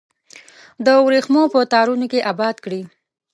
د وریښمو په تارونو کې اباد کړي